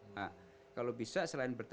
nah kalau bisa selain bertanding aja gitu